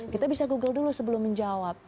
kita bisa google dulu sebelum menjawab